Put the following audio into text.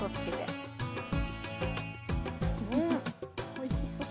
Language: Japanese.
おいしそう。